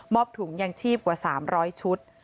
อบถุงยางชีพกว่า๓๐๐ชุด